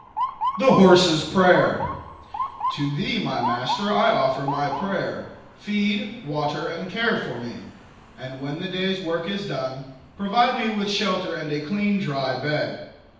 THE HORSE'S PRAYER. To thee, my master, I offer my prayer: Feed, water and care for me; and when the day's work is done, provide me with shelter and a clean, dry bed.